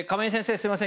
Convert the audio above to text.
すいません